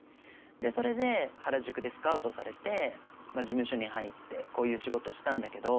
それで原宿でスカウトされて事務所に入ってこういう仕事をしたんだけど。